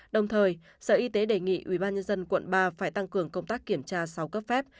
đồng thời sở y tế đề nghị ubnd quận ba phải tăng cường công tác kiểm tra sau cấp phép